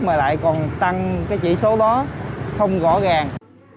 mình còn tăng cái chỉ số đó không rõ ràng